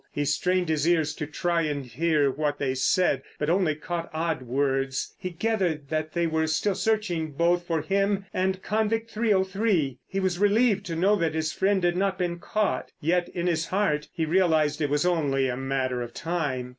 He strained his ears to try and hear what they said, but only caught odd words. He gathered that they were still searching both for him and Convict 303. He was relieved to know that his friend had not been caught; yet in his heart he realised it was only a matter of time.